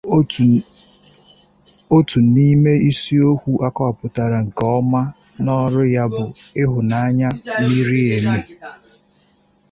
Otu n'ime isiokwu akọwapụtara nke ọma n'ọrụ ya bụ ịhụnanya miri emi.